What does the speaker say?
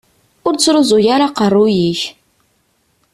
Ur ttruẓu ara aqerruy-ik.